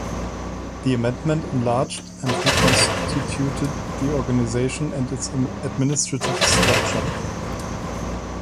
The amendment enlarged and reconstituted the organisation and its administrative structure.